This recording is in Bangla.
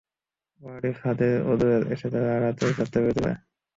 পাহাড়ী ফাঁদের অদুরে এসে তারা রাতের যাত্রাবিরতি করে।